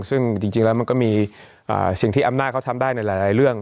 ซึ่งจริงแล้วมันก็มีสิ่งที่อำนาจเขาทำได้ในหลายเรื่อง